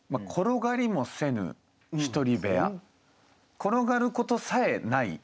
ころがることさえない。